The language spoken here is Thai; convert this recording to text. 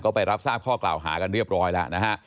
ก็ไปรับทราบข้อกล่าวหากันเรียบร้อยแล้วนะฮะ